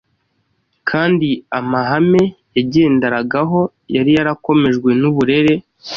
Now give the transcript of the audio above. kandi amahame yagenderagaho yari yarakomejwe n’uburere